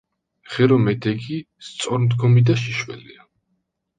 ღერო მედეგი, სწორმდგომი და შიშველია.